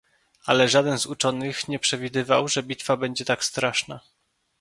"Ale żaden z uczonych nie przewidywał, że bitwa będzie tak straszna."